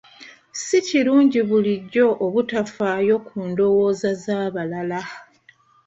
Si kirungi bulijjo obutafaayo ku ndowooza z'abalala.